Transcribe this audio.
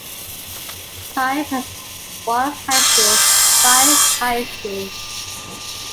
Fife has one high school, Fife High School.